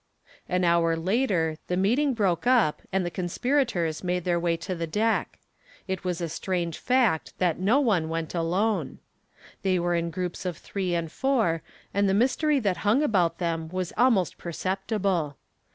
An hour later the meeting broke up and the conspirators made their way to the deck. It was a strange fact that no one went alone. They were in groups of three and four and the mystery that hung about them was almost perceptible.